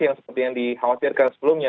yang seperti yang dikhawatirkan sebelumnya